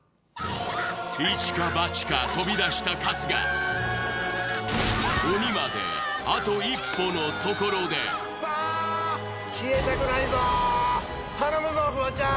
一か八か飛び出した春日鬼まであと一歩のところで消えたくないぞ頼むぞフワちゃん